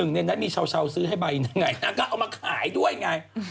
๑ในนั้นมีเช่าซื้อให้ใบไงป่ะก็เอามาขายด้วยไง